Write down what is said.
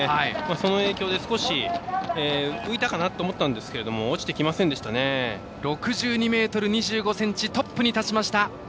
その影響で少し浮いたかなと思ったんですけれども６２ｍ２５ｃｍトップに立ちました。